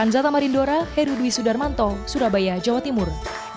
sudarmanto surabaya jawa timur